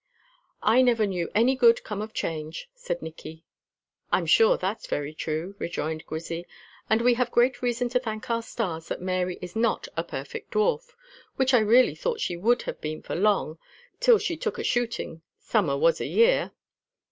"I never knew any good come of change," said Nicky. "I'm sure that's very true," rejoined Grizzy; "and we have great reason to thank our stars that Mary is not a perfect dwarf; which I really thought she would have been for long, till she took a shooting, summer was a year."